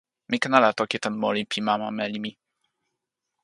mi ken ala toki tan moli pi mama meli mi.